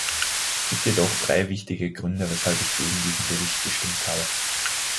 Es gibt jedoch drei wichtige Gründe, weshalb ich gegen diesen Bericht gestimmt habe.